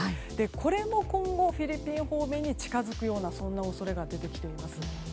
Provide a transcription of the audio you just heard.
これも今後フィリピン方面に近づく恐れが出てきています。